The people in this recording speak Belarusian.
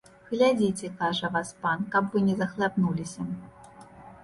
Глядзіце, кажа, васпан, каб вы не захлябнуліся.